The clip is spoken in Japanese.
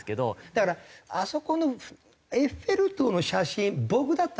だからあそこのエッフェル塔の写真僕だったらですね